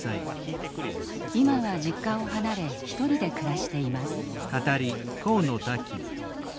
今は実家を離れ１人で暮らしています。